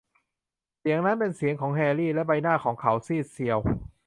เสียงนั้นเป็นเสียงของแฮรี่ และใบหน้าของเขาซีดเซียว